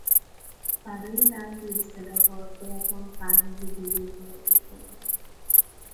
برای بعضی اصطلاحات باید به آن فرهنگ بزرگ مراجعه کنید!